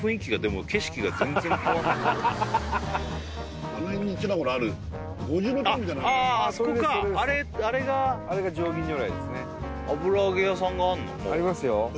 もうありますよ